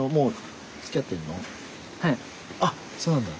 あっそうなんだ。